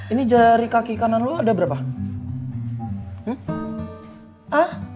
ini jari kaki kanan lo ada berapa